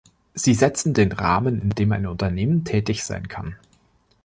Sie setzen den Rahmen, in dem ein Unternehmen tätig sein kann.